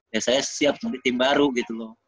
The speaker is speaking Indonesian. ya saya siap menjadi tim baru gitu loh